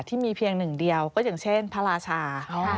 ที่มีเพียงหนึ่งเดียวก็อย่างเช่นพระราชา